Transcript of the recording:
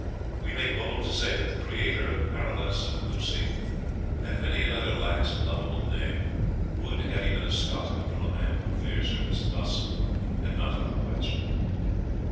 We make bold to say that the creator of Parolles and Lucie, and many another lax and lovable knave, would, had he been a Scot, have drawn Andrew Fairservice thus, and not otherwise.